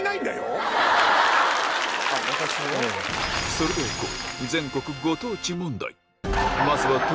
それではいこう！